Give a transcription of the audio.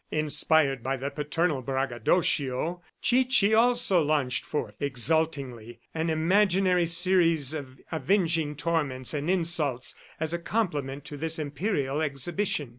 Inspired by the paternal braggadocio, Chichi also launched forth exultingly an imaginary series of avenging torments and insults as a complement to this Imperial Exhibition.